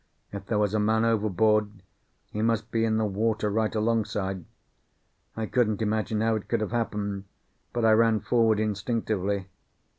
If there was a man overboard, he must be in the water right alongside. I couldn't imagine how it could have happened, but I ran forward instinctively.